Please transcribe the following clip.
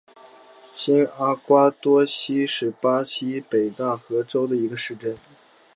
新阿瓜多西是巴西北大河州的一个市镇。